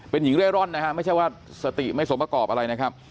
เป็นหญิงเร่ร่อนนะฮะไม่ใช่ว่าสติไม่สมประกอบอะไรนะครับ